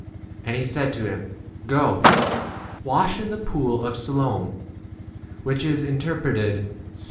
7 And he said to him, Go, wash in the pool of Siloam, which is inter preted, Sent.